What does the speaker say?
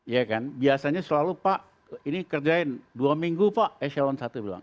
ya kan biasanya selalu pak ini kerjain dua minggu pak eselon satu bilang